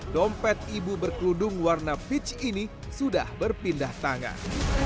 dompet ibu berkeludung warna peach ini sudah berpindah tangan